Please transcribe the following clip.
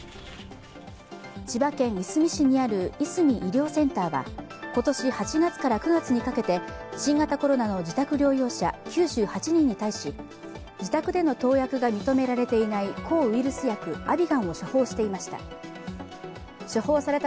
千葉県いすみ市にあるいすみ医療センターは、今年８月から９月にかけて新型コロナの自宅療養者９８人に対し自宅での投薬が認められていない抗ウイルス薬、アビガンを処方していました。